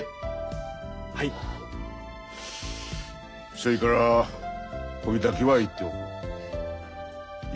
そいからこいだけは言っておく。